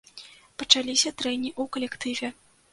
Пачаліся трэнні ў калектыве.